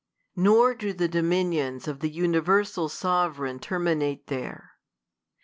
Nor do the dominions of the universal Sovereign terminate there.